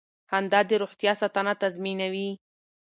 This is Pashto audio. خندا د روغتیا ساتنه تضمینوي.